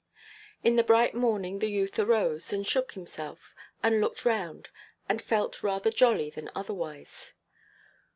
In the bright morning, the youth arose, and shook himself, and looked round, and felt rather jolly than otherwise.